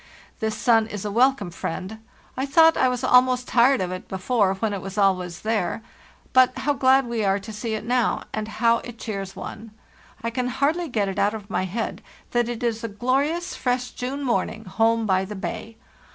This sun is a welcome friend; I thought I was almost tired of it before when it was always there; but how glad we are to see it now, and how it cheers one. I can hardly get it out of my head that it is a glorious, fresh June morning home by the bay.